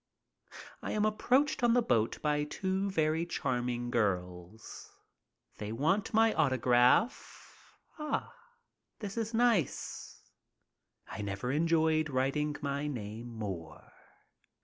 I am approached on the boat by two very charming girls. They want my autograph. Ah, this is nice ! I never enjoyed writing my name more.